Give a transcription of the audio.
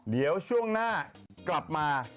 เดี๋ยวช่วงหน้ากลับมา